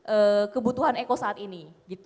untuk kebutuhan eko saat ini